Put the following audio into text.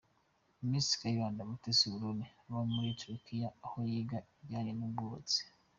Miss Kayibanda Mutesi Aurore aba muri Turkey aho yiga ibijyanye n'ubwubatsi.